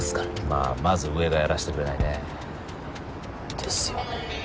まあまず上がやらせてくれないね。ですよね。